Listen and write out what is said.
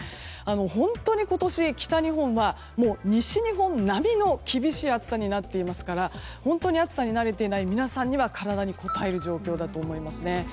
本当に今年、北日本は西日本並みの厳しい暑さになっていますから本当に暑さに慣れていない皆さんには体にこたえる状況だと思いますね。